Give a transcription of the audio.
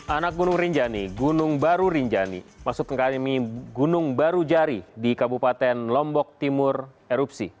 anak gunung rinjani gunung baru rinjani masuk ke kalimi gunung baru jari di kabupaten lombok timur erupsi